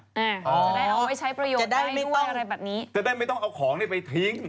จะได้เอาไว้ใช้ประโยชน์ได้ด้วยอะไรแบบนี้จะได้ไม่ต้องเอาของเนี้ยไปทิ้ง